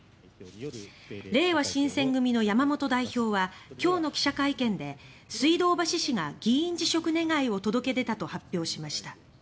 れいわ新選組の山本代表は今日の記者会見で水道橋氏が議員辞職願を届け出たと発表しました。